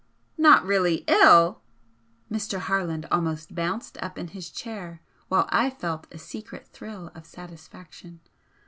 "Not really ill!" Mr. Harland almost bounced up in his chair, while I felt a secret thrill of satisfaction.